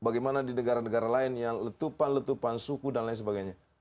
bagaimana di negara negara lain yang letupan letupan suku dan lain sebagainya